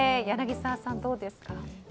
柳澤さん、どうですか。